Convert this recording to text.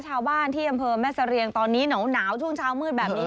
ชาวบ้านที่อำเภอแม่เสรียงตอนนี้หนาวช่วงเช้ามืดแบบนี้